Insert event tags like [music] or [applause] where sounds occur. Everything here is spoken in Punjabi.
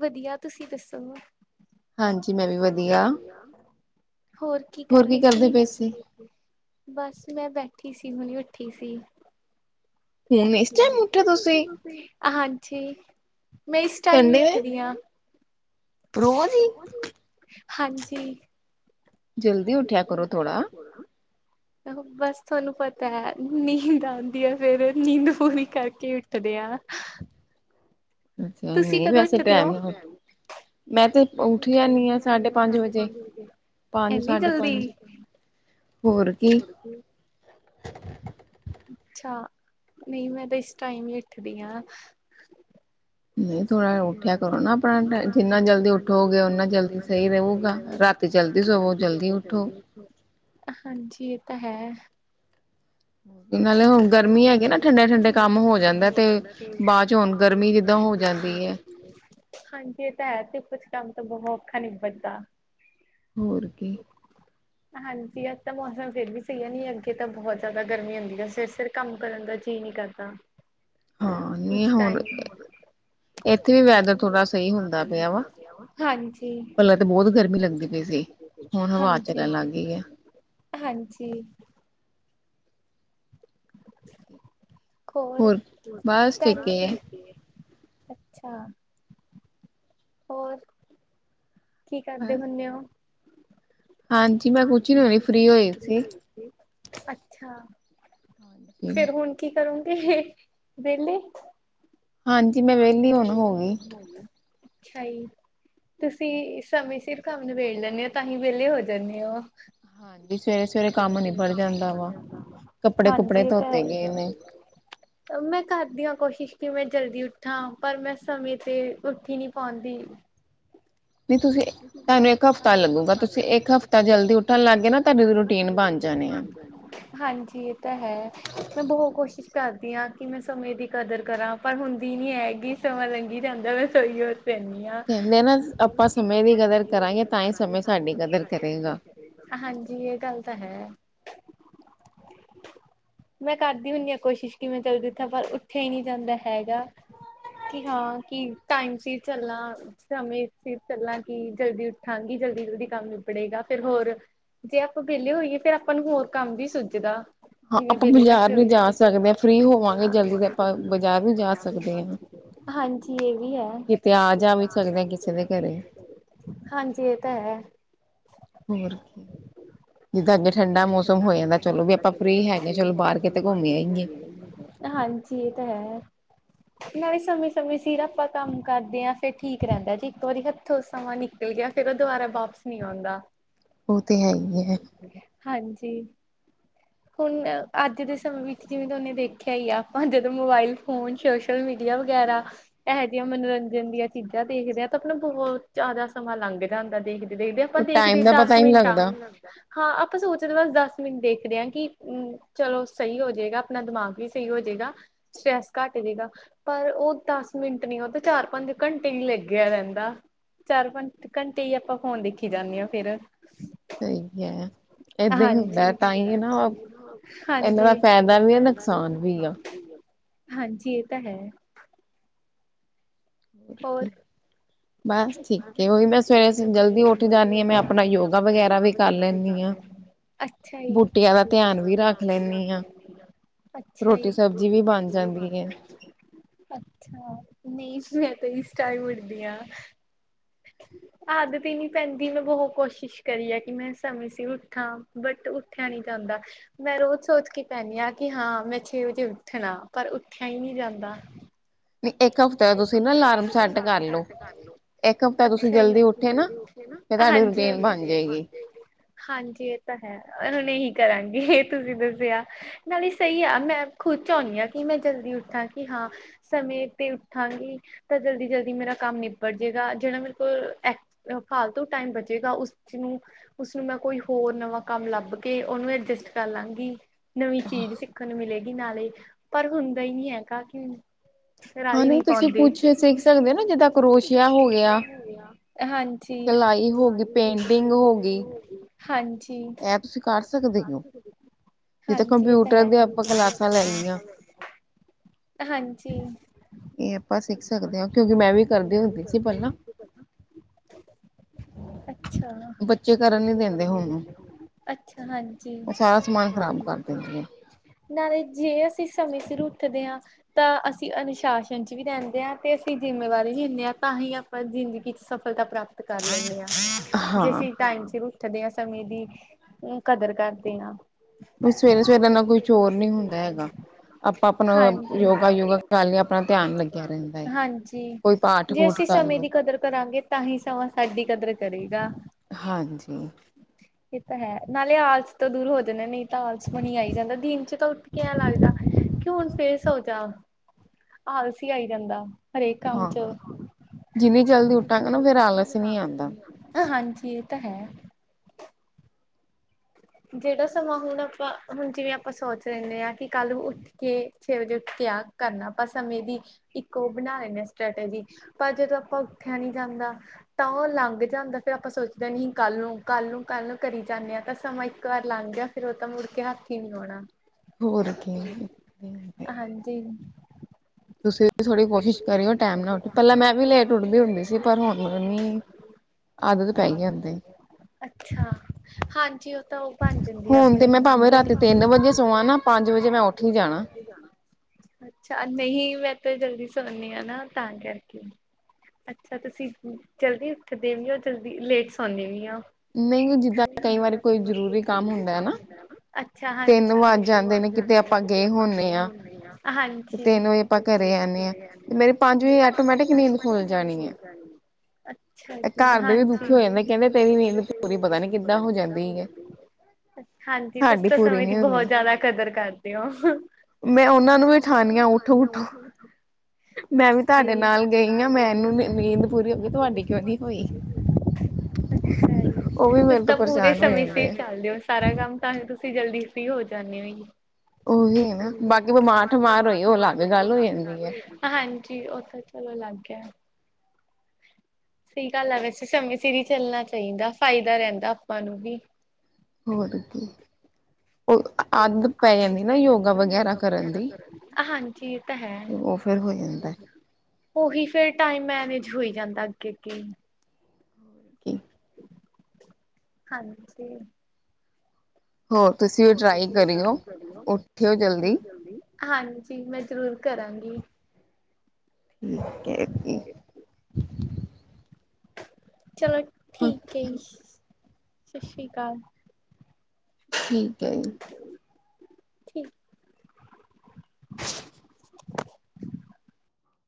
ਵਧੀਆਂ ਤੁਸੀਂ ਦੱਸੋਂ? ਹਾਂਜੀ ਮੈਂ ਵੀ ਵਧੀਆਂ, ਹੋਰ ਕੀ ਕਰ ਰਹੇ ਸੀ? ਬਸ ਮੈਂ ਬੈਠੀ ਸੀ ਹੁਣੀ ਉੱਠੀ ਸੀ। ਹਾਂਜੀ ਮੈਂ ਇਸ ਟਾਈਮ ਈ ਉੱਠਦੀ ਆ। ਰੋਜ਼ ਈ ਹਾਂਜੀ ਜਲਦੀ ਉੱਠਿਆ ਕਰੋ ਥੋੜ੍ਹਾ। ਬਸ ਤੁਹਾਨੂੰ ਪਤਾ ਏ ਨੀਂਦ ਆਂਦੀ ਆ ਫ਼ੇਰ ਨੀਂਦ ਪੂਰੀ ਕਰਕੇ ਉੱਠਦੇ ਆ। ਅੱਛਾ ਨਹੀਂ ਵੈਸੇ ਟੈਮ ਮੈਂ ਤੇ ਉੱਠ ਜਾਣੀ ਆ ਸਾਢੇ ਪੰਜ ਵਜੇ। ਪੰਜ ਸਾਢੇ ਪੰਜ ਹੋਰ ਕੀ। ਕੀ ਅੱਛਾ, ਨਹੀਂ ਮੈਂ ਤਾਂ ਇਸ ਟਾਈਮ ਈ ਉੱਠਦੀ ਆ। ਨਹੀਂ ਥੋੜ੍ਹਾ ਉੱਠਿਆ ਕਰੋ ਨਾ ਆਪਣਾ ਜਿੰਨਾ ਜਲਦੀ ਉੱਠੋ ਗੇ ਓਨਾ ਜਲਦੀ ਸਹੀ ਰੂਗਾ ਰਾਤ ਤੇ ਜਲਦੀ ਸਵੋ ਜਲਦੀ ਉੱਠੋ। ਹਾਂਜੀ ਇਹ ਤਾਂ ਹੈ। ਨਾਲ਼ੇ ਹੁਣ ਗਰਮੀ ਹੈਗੀ ਨਾ ਠੰਡੇ-ਠੰਡੇ ਕੰਮ ਹੋ ਜਾਂਦਾ ਤੇ ਬਾਅ ਚ ਹੁਣ ਗਰਮੀ ਜਿੱਦਾਂ ਹੋ ਜਾਂਦੀ ਐ। ਹਾਂਜੀ ਇਹ ਤਾਂ ਹੈ ਤੇ ਕੁਛ ਕੰਮ ਤਾਂ ਬਹੁਤ ਔਖਾ ਨੀ ਨਿਬੜ ਦਾ। ਹੋਰ ਕੀ। [inaudible] ਹਾਂਜੀ ਅੱਜ ਤਾਂ ਮੌਸਮ ਫ਼ੇਰ ਵੀ ਹੈ ਨੀ ਅੱਗੇ ਤਾਂ ਬਹੁਤ ਜ਼ਿਆਦਾ ਗਰਮੀ ਹੁੰਦੀ ਸਵੇਰੇ-ਸਵੇਰੇ ਕੰਮ ਕਰਨ ਦਾ ਜੀਅ ਨੀ ਕਰਦਾ ਤਾਂ ਹਾਂ ਨੀ ਹੁਣ ਇੱਥੇ ਵੀ ਵੈਦਰ ਥੋੜ੍ਹਾ ਸਹੀ ਹੁੰਦਾ ਪਿਆ ਵਾ ਪਹਿਲਾਂ ਤੇ ਬਹੁਤ ਗਰਮੀ ਲੱਗਦੀ ਪਈ ਸੀ। ਹੁਣ ਹਵਾ ਚੱਲਣ ਲੱਗ ਗਈ ਐ। ਹਾਂਜੀ। ਹੋਰ ਘਰ ਅੱਛਾ ਹੋਰ ਕੀ ਕਰਦੇ ਹੁਣੇ ਓ। ਹਾਂਜੀ, ਮੈਂ ਕੁਛ ਨੀ ਹੋਣੀ ਫਰੀ ਹੋਈ ਸੀ। ਅੱਛਾ ਫੇ਼ਰ ਹੁਣ ਕੀ ਕਰੂਗੇ ਵਿਹਲੇ। ਹਾਂਜੀ ਮੈਂ ਵਿਹਲੀ ਹੁਣ ਹੋ ਗਈ। ਅੱਛਾ ਜੀ ਤੁਸੀਂ ਸਮੇਂ ਸਿਰ ਕੰਮ ਨੂੰ ਨਿਬੇੜ ਲੈਣੇ ਓ ਤਾਂਹੀ ਵਿਹਲੇ ਹੋ ਜਾਂਣੇ ਓ। ਹਾਂਜੀ ਸਵੇਰੇ-ਸਵੇਰੇ ਕੰਮ ਨੀ ਨਿਬੜ ਜਾਂਦਾ ਵਾ ਕੱਪੜੇ ਕੁਪੜੇ ਧੋਤੇ ਗਏ ਨੇ। ਮੈਂ ਕਰਦੀ ਹਾਂ ਕੋਸ਼ਿਸ਼ ਕਿ ਮੈਂ ਜਲਦੀ ਉੱਠਾਂ ਪਰ ਮੈਂ ਸਮੇਂ ਤੇ ਉੱਠੀ ਨੀ ਪਾਉਂਦੀ। ਨਹੀਂ ਤੁਸੀਂ ਤੁਹਾਨੂੰ ਇੱਕ ਹਫ਼ਤਾ ਲੱਗੂਗਾ। ਤੁਸੀਂ ਇੱਕ ਹਫ਼ਤਾ ਜਲਦੀ ਉੱਠਣ ਲੱਗ ਗਏ ਨਾ ਤੁਹਾਡੇ ਦੀ ਰੂਟੀਨ ਬਣ ਜਾਣੀ ਆ। ਹਾਂਜੀ, ਇਹ ਤਾਂ ਹੈ। ਮੈਂ ਬਹੁਤ ਕੋਸ਼ਿਸ਼ ਕਰਦੀ ਹਾਂ ਕਿ ਮੈਂ ਸਮੇਂ ਦੀ ਕਦਰ ਕਰਾਂ ਪਰ ਹੁੰਦੀ ਨੀ ਹੈਗੀ। ਸਮਾਂ ਲੰਘੀ ਜਾਂਦਾ ਮੈਂ ਸੋਈ ਓ ਰਹਿਣੀ ਆ। ਨਾ ਆਪਾਂ ਸਮੇਂ ਦੀ ਕਦਰ ਕਰਾਂਗੇ ਤਾਂ ਈ ਸਮੇਂ ਸਾਡੀ ਕਦਰ ਕਰੇਗਾ। ਹਾਂਜੀ, ਇਹ ਗੱਲ ਤਾਂ ਹੈ। ਮੈਂ ਕਰਦੀ ਹੁੰਨੀ ਆ ਕੋਸ਼ਿਸ਼ ਕੀ, ਮੈ ਜਲਦੀ ਉੱਠਾ ਪਰ ਉੱਠਿਆ ਹੀ ਨੀ ਜਾਂਦਾ, ਹੈਂਗਾ। ਕਿ ਹਾਂ, ਕਿ ਟਾਈਮ ਸਿਰ ਚੱਲਾ, ਸਮੇਂ ਸਿਰ ਚੱਲਾ। ਕਿ ਜਲਦੀ ਉਠਾਂਗੀ ਜਲਦੀ-ਜਲਦੀ ਕੰਮ ਨਿਬੜੇਗਾ ਫਿਰ ਹੋਰ ਜੇ ਆਪਾਂ ਵਿਹਲੇ ਹੋਈਏ ਫੇਰ ਆਪਾਂ ਨੂੰ ਹੋਰ ਕੰਮ ਵੀ ਸੁੱਜਦਾ ਹਾਂ, ਆਪਾਂ ਬਾਜ਼ਾਰ ਵੀ ਜਾ ਸਕਦੇ ਆ, ਫ੍ਰੀ ਹੋਵਾਂਗੇ ਜਲਦੀ ਤੇ ਆਪਾਂ ਬਾਜ਼ਾਰ ਵੀ ਜਾ ਸਕਦੇ ਆ। ' [inaudible] ' ਕਿਤੇ ਆ ਜਾ ਵੀ ਸਕਦਾ ਆ ਕਿਸੇ ਦੇ ਘਰੇ ਹਾਂਜੀ, ਇਹ ਤਾਂ ਹੈ' ' [inaudible] ਜਿੱਦਾਂ ਅੱਗੇ ਠੰਡਾ ਮੌਸਮ ਹੋ ਜਾਂਦਾ ਚਲੋ ਵੀ ਆਪਾਂ ਫ੍ਰੀ ਹੈਗੇ ਆ, ਚਲੋ ਬਾਹਰ ਕਿਤੇ ਘੁੰਮੀੇ ਆਈਏ ਹਾਂਜੀ, ਇਹ ਤਾਂ ਹੈ। ਨਾਲੇ ਸਮੇਂ-ਸਮੇਂ ਸੀਰ ਆਪਾਂ ਕੰਮ ਕਰਦੇ ਆ, ਫਿਰ ਠੀਕ ਰਹਿੰਦਾ ਜੀ ਇੱਕ ਵਾਰੀ ਹੱਥੋਂ ਸਮਾਂ ਨਿਕਲ ਗਿਆ ਫਿਰ ਉਹ ਦੁਬਾਰਾ ਵਾਪਿਸ ਨੀ ਆਉਂਦਾ। ਉਹ ਤੇ ਹੈ ਹੀ ਐ। ਹਾਂਜੀ' ' [inaudible] ਹੁਣ ਅੱਜ ਦੇ ਸਮੇਂ ਵਿੱਚ ਜਿਵੇਂ ਤੁਸੀ ਉਹਨੇ ਦੇਖਿਆ ਹੀ ਆ ਆਪਾਂ ਜਦੋਂ ਮੋਬਾਇਲ ਫ਼ੋਨ, ਸ਼ੋਸ਼ਲ ਮੀਡੀਆ ਵਗੈਰਾ ਇਹੋ ਜਿਹੀਆਂ ਮਨੋਰੰਜਨ ਦੀਆ ਚੀਜ਼ਾਂ ਦੇਖਦੇ ਆ ਤਾਂ ਆਪਾਂ ਬਹੁ ਜ਼ਿਆਦਾ ਸਮਾਂ ਲੰਘ ਜਾਂਦਾ ਦੇਖਦੇ-ਦੇਖਦੇ, ਆਪਾਂ ਦੇਖਦੇ ਦਸ ਮਿੰਟ ਆ ਹਾਂ, ਆਪਾਂ ਸੋਚਦੇ ਬੱਸ ਦਸ ਮਿੰਟ ਦੇਖਦੇ ਆ ਕਿ ਹਮ ਚਲੋ ਸਹੀ ਹੋਜਏਗਾ, ਆਪਣਾ ਦਿਮਾਗ ਵੀ ਸਹੀ ਹੋਜੇਗਾ, ਸਟਰ੍ਰੈਸ ਘੱਟ ਜਾਏਗਾ। ਪਰ ਉਹ ਦਸ ਮਿੰਟ ਨੀ ਉਹ ਤਾਂ ਚਾਰ-ਪੰਜ ਘੰਟੇ ਹੀ ਲੱਗਿਆ ਰਹਿੰਦਾ। ਚਾਰ, ਪੰਜ ਘੰਟੇ ਹੀ ਆਪਾਂ ਫੋਨ ਦੇਖੀ ਜਾਂਣੇ ਆ ਫਿਰ ਸਹੀ ਕਿਹਾ। ਹਾਂਜੀ, ' [unintelligible] ' ਹਾਂਜੀ' ' [unintelligible] ਹਾਂਜੀ, ਇਹ ਤਾਂ ਹੈ। ਹੋਰ। ਠੀਕ ਉਹ ਵੀ ਫਿਰ ਜਲਦੀ ਉੱਠ ਜਾਂਣੀ ਆ ਆਪਣਾ ਯੋਗਾ ਵਗੈਰਾ ਵੀ ਕਰਨਾ ਅੱਛਾ ਜੀ, ' [unintelligible] ' ਦਾ ਧਿਆਨ ਵੀ ਰੱਖ ਲੈਂਣੀ ਆਂ ਅੱਛਾ ਜੀ, ' [unintelligible] ' ਅੱਛਾ, ਨਹੀ 'ਤੇ ਇਸ ਟਾਈਮ'' [unintelligible] ' ' [inaudible] ਆਦਤ ਈ ਨੀ ਪੈਂਦੀ ਮੈਂ ਬਹੁਤ ਕੋਸ਼ਿਸ਼ ਕਰੀ ਆ ਕਿ ਮੈਂ ਸਮੇਂ ਸੀ ਉੱਠਾਂ ਬਟ ਉੱਠਿਆ ਨਹੀਂ ਜਾਂਦਾ। ਮੈਂ ਰੋਜ਼ ਸੋਚ ਕੇ ਪੈਂਣੀ ਆ ਕਿ ਹਾਂ ਮੈਂ ਛੇ ਵਜੇ ਉੱਠਣਾ, ਪਰ ਉੱਠਿਆ ਨੀ ਜਾਂਦਾ। ਇੱਕ ਹਫ਼ਤੇ ਤੁਸੀਂ ਨਾ ਲਾਰਮ ਸੈੱਟ ਕਰ ਲੋ ਅੱਛਾ ਜੀ, ਤੁਸੀਂ ਜਲਦੀ ਉੱਠ ਕੇ ਨਾਂ ਹਾਂਜੀ। ਹਾਂਜੀ, ਇਹ ਤਾਂ ਹੈ, ਹੁਣ ਇਹੀ ਕਰਾਂਗੇ ਇਹ ਤੁਸੀਂ ਦੱਸਿਆ ਨਾਲੇ ਸਹੀ ਆ, ਮੈਂ ਖੁੱਦ ਚਾਹੁੰਣੀ ਆ ਕਿ ਮੈਂ ਜਲਦੀ ਉੱਠਾਂ ਕਿ ਹਾਂ, ਸਮੇਂ 'ਤੇ ਉਠਾਂਗੀ, ਤਾ ਜਲਦੀ-ਜਲਦੀ ਮੇਰਾ ਕੰਮ ਨਿਬੜ ਜੇ ਗਾ ' [unintelligible] ' ਮੇਰੇ ਕੋਲ ਫਾਲਤੂ ਟਾਈਮ ਬਚੇਗਾ ਉਸ 'ਚ' ਨੂੰ ਉਸਨੂੰ ਮੈਂ ਕੋਈ ਹੋਰ ਨਵਾਂ ਕੰਮ ਲੱਭ ਕੇ, ਉਹਨੂੰ ਐਡਜਸਟ ਕਰ ਲਾਂਗੀ। ਨਵੀਂ ਚੀਜ਼ ਸਿੱਖਣ ਨੂੰ ਮਿਲੇਗੀ ਨਾਲੇ, ਪਰ ਹੁੰਦਾ ਹੀ ਨੀ ਹੈਗਾ ਕਿ ਕਰ ਦੀ ਤੁਸੀਂ ਕੁਛ ਸਿੱਖ ਸਕਦੇ ਹੋ ਨਾ ਜਿੱਦਾਂ ਕਰੋਸ਼ੀਆ ਹੋ ਗਿਆ। ਹਾਂਜੀ, ਸਿਲਾਈ ਹੋਗੀ, ਪੇਂਟਿੰਗ ਹੋਗੀ। ਹਾਂਜੀ,' ' [unintelligible] ਹਾਂਜੀ, ਇਹ ਤਾਂ ਹੈ' ' [unintelligible] ਹਾਂਜੀ। ਇਹ ਆਪਾਂ ਸਿੱਖ ਸਕਦੇ ਆ, ਕਿਉਂਕਿ ਮੈਂ ਵੀ ਕਰਦੀ ਹੁੰਦੀ ਸੀ ਪਹਿਲਾਂ ' [inaudible] ' ਬੱਚੇ ਕਰਨ ਨੀ ਦਿੰਦੇ ਹੁਣ। ਅੱਛਾ, ਹਾਂਜੀ [unintelligible] ਨਾਲੇ ਜੇ ਅਸੀਂ ਸਮੇਂ ਸਿਰ ਉੱਠਦੇ ਹਾਂ ਤਾਂ ਅਸੀਂ ਅਨੁਸ਼ਾਸਨ 'ਚ ਵੀ ਰਹਿੰਦੇ ਹਾਂ ਤੇ ਅਸੀਂ ਜਿੰਮੇਵਾਰੀ ਵੀ ਹੁਣੇ ਤਾਂਹੀ ਆਪਾਂ ਜ਼ਿੰਦਗੀ ਚ ਸਫਲਤਾ ਪ੍ਰਾਪਤ ਕਰ ਲੈਂਦੇ ਹਾਂ, ਜੇ ਅਸੀਂ ਟਾਈਮ ਸ਼ੁਰੂ ਉੱਠਦੇ ਆਂ ਸਮੇਂ ਦੀ, ਕਦਰ ਕਰਦੇ ਆਂ। ਵੀ ਸਵੇਰੇ-ਸਵੇਰੇ ਨਾਲ ਕੁਛ ਹੋਰ ਨੀ ਹੁੰਦਾ ਹੈਗਾ, ਆਪਾਂ ਆਪਣਾ, ਯੋਗਾ-ਯੁਗਾ ਕਰਾ ਲਈਏ। [unintelligible] ਹਾਂਜੀ ਜੇ ਅਸੀਂ ਸਮੇਂ ਦੀ ਕਦਰ ਕਰਾਂਗੇ ਤਾਂ ਹੀ ਸਮਾਂ ਸਾਡੀ ਕਦਰ ਕਰੇਗਾ। ਹਾਂਜੀ। [inaudible] ਇਹ ਤਾਂ ਹੈ ਨਾਲੇ ਆਲਸ ਤੋਂ ਦੂਰ ਹੋ ਜਾਂਦੇ ਨਹੀਂ ਤਾਂ ਆਲਸਮਣੀ ਆਈ ਜਾਂਦਾ ਦਿਨ ਚ ਤਾਂ ਉੱਠ ਕੇ ਐਂ ਲੱਗਦਾ। ਕਿ ਹੁਣ ਫਰ ਸੋਜਾ, ਆਾਲਸ ਈ ਆਈ ਜਾਂਦਾ। ਹਾਂ, ਜਿੰਨੀ ਜਲਦੀ ਉੱਠਾਂਗੇ ਨਾ ਫੇਰ ਆਲਸ ਨੀ ਆਂਦਾ। ਹਾਂਜੀ ਇਹ ਤਾਂ ਹੈ। ਜਿਹੜਾ ਸਮਾਂ ਹੁਣ ਆਪਾਂ, ਹੁਣ ਜਿਵੇਂ ਆਪਾਂ ਸੋਚ ਲੇਨੈ ਆਂ ਕਿ ਕੱਲ੍ਹ ਕੇ ਛੇ ਵਜੇ ਉੱਠ ਕਿਆ ਕਰਨਾ ਆਪਾਂ ਸਮੇਂ ਦੀ ਇੱਕ ਉਹ ਬਣਾ ਲੈਂਨੇ ਆਂ ਸਟ੍ਰੈਟਜੀ। ਪਰ ਜਦੋਂ ਆਪਾਂ ਉੱਠਿਆ ਨੀ ਜਾਂਦਾ ਤਾਂ ਉਹ ਲੰਘ ਜਾਂਦਾ ਫੇਰ ਆਪਾਂ ਸੋਚਦੇ ਨਹੀਂ ਕਾਲੂ- ਕਾਲੂ- ਕਾਲੂ ਕਰੀ ਜਾਂਦੇ ਹਾਂ ਤਾਂ ਸਮਾਂ ਇੱਕ ਵਾਰ ਲੰਘ ਗਿਆ ਫੇਰ ਉਹ ਤਾਂ ਮੁੜ ਕੇ ਹੱਥ ਈ ਨੀ ਆਉਣਾ। ਹਾਂਜੀ। ਤੁਸੀਂ ਥੋੜ੍ਹੀ ਕੋਸ਼ਿਸ਼ ਕਰਿਓ ਟੈਮ ਨਾ ਉੱਠ ਪਹਿਲਾਂ ਮੈਂ ਵੀ ਲੇਟ ਉੱਠਦੀ ਹੁੰਦੀ ਸੀ ਪਰ ਹੁਣ ਮ ਆਦਤ ਪੈ ਗਈ ਹੁਣ ਤਾਂ। ਅੱਛਾ, ਹਾਂਜੀ। ਹੁਣ ਤੇ ਮੈਂ ਭਾਵੇਂ ਰਾਤੀ ਤਿੰਨ ਵਜੇ ਸੋਵਾਂ ਨਾ ਪੰਜ ਵਜੇ ਮੈਂ ਉੱਠੀ ਹੀ ਜਾਣਾ। ਅੱਛਾ, ਨਹੀਂ ਮੈਂ ਤਾਂ ਜਲਦੀ ਸੋਨੀ ਆ ਨਾ ਤਾਂ ਕਰਕੇ। ਅੱਛਾ ਤੁਸੀਂ ਜਲਦੀ ਉੱਠਦੇ ਵੀ ਹੋ ਜਲਦੀ ਲੇਟ ਸੌਨੇ ਵੀ ਓ। ਨਹੀਂ ਜਿੱਦਾਂ ਕਈ ਵਾਰੀ ਕੋਈ ਜ਼ਰੂਰੀ ਕੰਮ ਹੁੰਦਾ ਐ ਨਾ ਅੱਛਾ, ਹਾਂਜੀ ਮਨੂੰ ਆ ਜਾਂਦੇ ਨੇ ਜਤੇ ਆਪਾਂ ਗਏ ਹੁੰਨੇ ਆ ਹਾਂਜੀ। ਆਪਾਂ ਘਰੇ ਆਨੇ ਆਂ, ਤੇ ਮੇਰੀ ਪੰਜ ਵਜੇ ਆਟੋਮੈਟਿਕ ਨੀਂਦ ਖੁੱਲ ਜਾਣੀ ਏ। ਅੱਛਾ। ਘਰ ਦੇ ਵੀ ਦੁਖੀ ਹੋ ਜਾਂਦੇ ਕਹਿੰਦੇ ਤੇਰੀ ਨੀਦ ਪੂਰੀ ਪਤਾ ਨੀ ਕਿੱਦਾਂ ਹੋ ਜਾਂਦੀ ਏ। ਹਾਂਜੀ, ਤੁਸੀਂ ਤਾਂ ਸਮੇਂ ਦੀ ਬਹੁਤ ਜ਼ਿਆਦਾ ਕਦਰ ਕਰਦੇ ਓ, ਮੈਂ ਉਨਾਂ ਨੂੰ ਵੀ ਠਾਨੀ ਆ ਉੱਠੋ। ਮੈਂ ਵੀ ਤੁਹਾਡੇ ਨਾਲ ਗਈ ਹਾਂ ਮੈਨੂੰ ਨੀਂਦ ਪੂਰੀ ਹੋਗੀ, ਤੁਹਾਡੀ ਕਿਉਂ ਨੀ ਹੋਈ? ਅੱਛਾ ਜੀ ਤੁਸੀ ਤਾਂ ਪੂਰੇ ਸਮੇਂ-ਸਿਰ ਚੱਲਦੇ ਓ। ਸਾਰਾ ਕੰਮ ਤਾਂਹੀ ਤੁਸੀਂ ਜਲਦੀ ਫ੍ਰੀ ਹੋ ਜਾਂਨੇ ਓ ਜੀ। ਉਹੀ ਹੈ ਨਾ ਬਾਕੀ ਬਿਮਾਰ-ਠਮਾਰ ਹੋਏ ਓ ਅਲੱਗ ਗੱਲ ਹੋ ਜਾਂਦੀ ਏ। ਹਾਂਜੀ ਉਹ ਤਾਂ ਚਲੋ ਅਲੱਗ ਏ। ਸਹੀ ਗੱਲ ਆ ਵੈਸੇ ਸਮੇਂ-ਸਿਰ ਹੀ ਚੱਲਣਾ ਚਾਹੀਦਾ ਫਾਇਦਾ ਰਹਿੰਦਾ ਆਪਾਂ ਨੂੰ ਵੀ। ਹੋਰ ਕੀ। ਉਹ ਆੱਦ ਪੈ ਜਾਂਦੀ ਨਾ ਯੋਗਾ ਵਗੈਰਾ ਕਰਨ ਦੀ। ਹਾਂਜੀ ਇਹ ਤਾਂ ਹੈ। ਤੇ ਉਹ ਫਿਰ ਹੋ ਜਾਂਦਾ ਏ। ਉਹੀ ਫੇਰ ਟਾਈਮ ਮੈਨੇਜ ਹੋਈ ਜਾਂਦਾ ਅੱਗੇ-ਅੱਗੇ। ਕੀ। ਹਾਂਜੀ। ਹੋਰ ਤੁਸੀਂ ਵੀ ਟਰਾਈ ਕਰੀਓ ਉੱਠਿੱਓ ਜਲਦੀ। ਹਾਂਜੀ। ਜੀ ਮੈਂ ਜ਼ਰੂਰ ਕਰਾਂਗੀ। [unintelligible] ਚਲੋ ਠੀਕ ਏ ਜੀ, ਸਤਿ ਸ਼੍ਰੀ ਅਕਾਲ। ਠੀਕ ਏ ਜੀ।